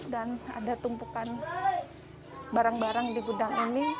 dan ada tumpukan barang barang di gudang ini